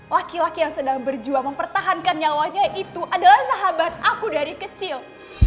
laki laki yang sedang berjuang mempertahankan nyawanya itu adalah sahabat aku dari kecil